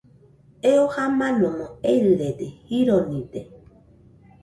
Eo jamanomo erɨrede, jironide